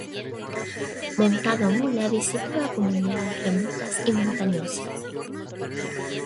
Montado a mula visitaba comunidades remotas y montañosas.